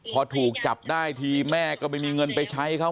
พอถูกจับได้ทีแม่ก็ไม่มีเงินไปใช้เขา